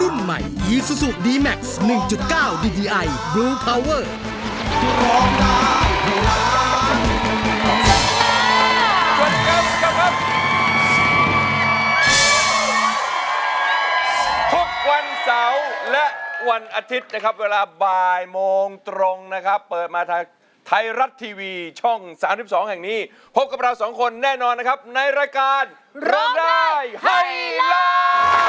ทุกวันเสาร์และวันอาทิตย์นะครับเวลาบ่ายโมงตรงนะครับเปิดมาทางไทยรัฐทีวีช่อง๓๒แห่งนี้พบกับเราสองคนแน่นอนนะครับในรายการร้องได้ให้ล้าน